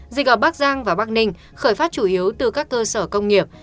dịch ở bắc giang và bắc ninh khởi phát chủ yếu từ các cơ sở công nghiệp